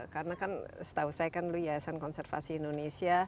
karena kan setahu saya kan lu ya esan konservasi indonesia